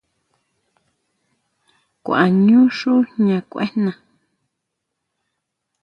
Kuaʼñu xú jña kuejna.